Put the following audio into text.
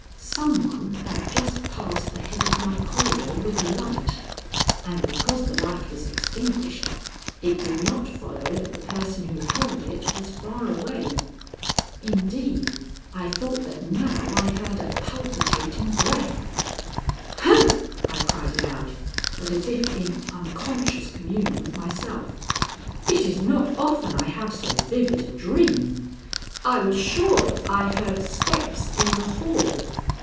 Some one had just passed the head of my corridor with a light, and because the light was extinguished it did not follow that the person who held it was far away. Indeed, I thought that now I heard a palpitating breath. "Humph," I cried aloud, but as if in unconscious communion with myself, "it is not often I have so vivid a dream! I was sure that I heard steps in the hall.